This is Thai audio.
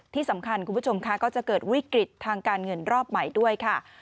ที่สำคัญคุณผู้ชมค่ะก็จะเกิดวิกฤตทางการเงินรอบใหม่ด้วยค่ะ